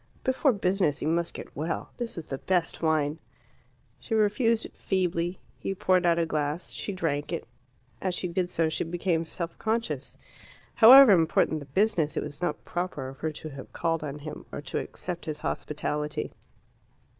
"Before business you must get well; this is the best wine." She refused it feebly. He poured out a glass. She drank it. As she did so she became self conscious. However important the business, it was not proper of her to have called on him, or to accept his hospitality.